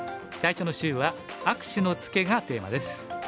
最初の週は「握手のツケ」がテーマです。